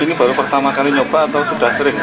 ini baru pertama kali nyoba atau sudah sering